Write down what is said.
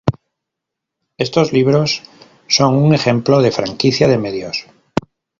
Estos libros son un ejemplo de franquicia de medios.